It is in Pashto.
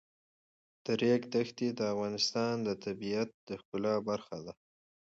د ریګ دښتې د افغانستان د طبیعت د ښکلا برخه ده.